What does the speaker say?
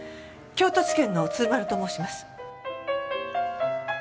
京都地検の鶴丸と申します。